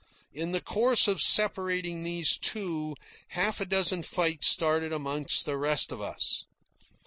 In the course of separating these two, half a dozen fights started amongst the rest of us.